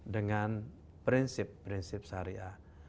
dengan prinsip prinsip syariah